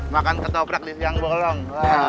makan ketoprak di siang bolong